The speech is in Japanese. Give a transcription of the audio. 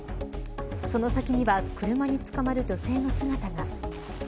その先には車につかまる女性の姿が。